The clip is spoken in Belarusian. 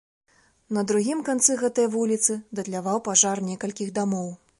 На другім канцы гэтай вуліцы датляваў пажар некалькіх дамоў.